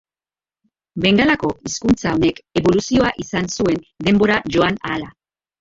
Bengalako hizkuntza honek eboluzioa izan zuen denbora joan ahala.